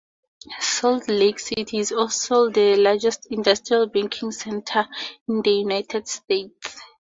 Salt Lake City is also the largest industrial banking center in the United States.